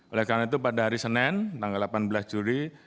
oleh karena itu pada hari senin tanggal delapan belas juli